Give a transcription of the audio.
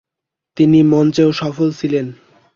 তিনি মঞ্চেও সফল ছিলেন।